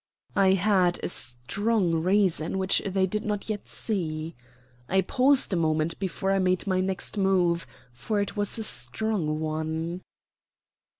I had a strong reason which they did not yet see. I paused a moment before I made my next move, for it was a strong one.